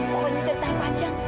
pokoknya ceritain panjang